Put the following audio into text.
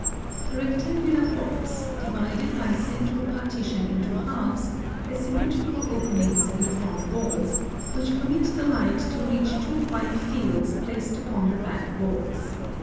] A rectangular box, divided by a central partition into halves, has symmetrical openings in the front walls, which permit the light to reach two white fields placed upon the back walls.